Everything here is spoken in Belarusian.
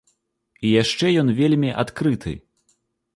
І яшчэ ён вельмі адкрыты.